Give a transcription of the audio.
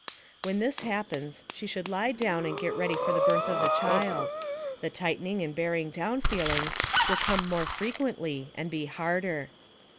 When this happens, she should lie down and get ready for the birth of the child. The tightening and bearing down feelings will come more frequently and be harder.